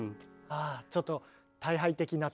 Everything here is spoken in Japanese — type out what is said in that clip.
ああちょっとそう。